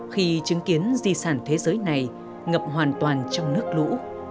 khi chứng kiến di sản thế giới này ngập hoàn toàn trong nước lũ